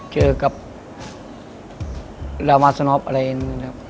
เจอกับลามาสนอฟอะไรอย่างนี้ครับ